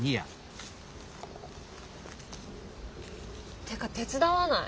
ってか手伝わない？